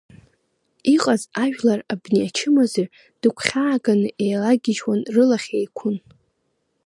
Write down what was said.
Иҟаз ажәлар абни ачымазаҩ дыгәхьааганы еилагьыжьуан рылахь еиқәын.